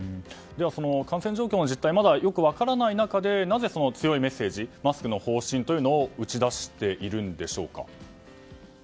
その感染状況の実態がよく分からない中でなぜ強いメッセージマスクの方針を打ち出しているんでしょうか。